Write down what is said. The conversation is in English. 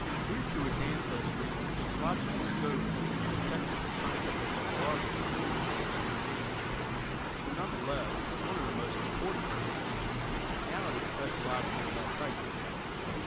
Due to its ancestry its logical scope was the more technical Science Fiction farthest removed from sheer fantasy, but, none the less, one of the most important branches. Now it is specializing in that type.